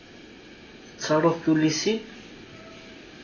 Tettaruḍ tullisin?